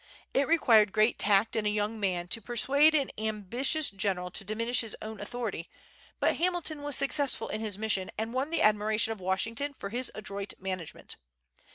It required great tact in a young man to persuade an ambitious general to diminish his own authority; but Hamilton was successful in his mission, and won the admiration of Washington for his adroit management.